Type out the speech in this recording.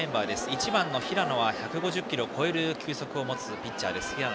１番の平野は１５０キロを超える球速を持つピッチャーです。